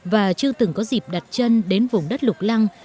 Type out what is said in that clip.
và chưa từng có dịp đặt chân đến vùng đất lục lăng